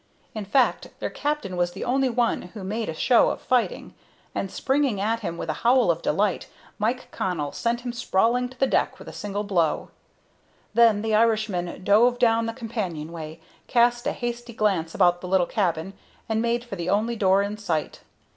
In fact, their captain was the only one who made a show of fighting; and, springing at him with a howl of delight, Mike Connell sent him sprawling to the deck with a single blow. Then the Irishman dove down the companionway, cast a hasty glance about the little cabin, and made for the only door in sight.